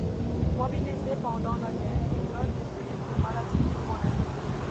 Mobilisé pendant la guerre, il meurt des suites d'une maladie pulmonaire.